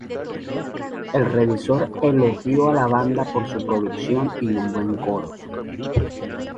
El revisor elogió a la banda por su producción y un buen coro.